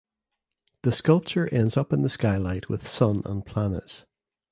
The sculpture ends up in the skylight with sun and planets.